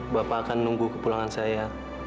bapak akan menunggu ke pulangan saya